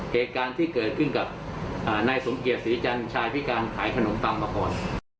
เหตุการณ์ที่เกิดขึ้นกับนายสมเกียจศรีจันทร์ชายพิการขายขนมตำมาก่อน